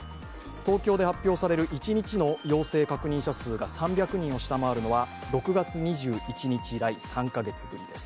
東京で発表される一日の陽性確認者数が３００人を下回るのは６月２１日以来、３カ月ぶりです。